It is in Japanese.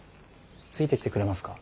ついてきてくれますか？